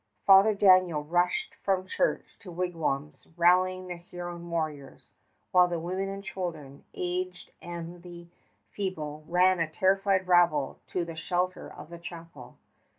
Father Daniel rushed from church to wigwams rallying the Huron warriors, while the women and children, the aged and the feeble, ran a terrified rabble to the shelter of the chapel.